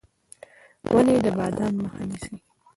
ونې د باد مخه نیسي.